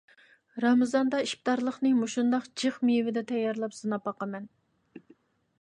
رامىزاندا ئىپتارلىقنى مۇشۇنداق جىق مېۋىدە تەييارلاپ سىناپ باقىمەن.